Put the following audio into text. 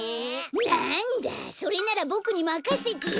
なんだそれならボクにまかせてよ。